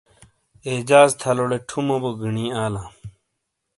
اعجاز تھلوٹے ٹھمو بو گینی آلاں۔